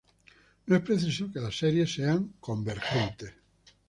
No es preciso que las series sean convergentes.